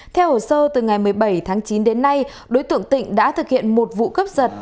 theo hồ sơ từ ngày một mươi bảy tháng chín đến nay đối tượng tịnh đã thực hiện một vụ cướp giật